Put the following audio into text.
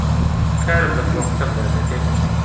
کارم لە فڕۆکەکەمدا دەکرد